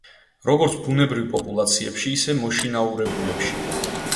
როგორც ბუნებრივ პოპულაციებში, ისე მოშინაურებულებში.